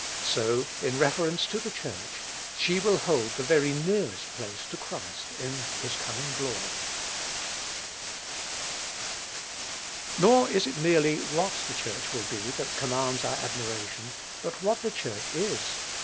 So, in reference to the Church, she will hold the very nearest place to Christ, in his coming glory. Nor is it merely what the church will be that commands our admiration; but what the Church is.